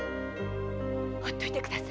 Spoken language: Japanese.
ほっといて下さい！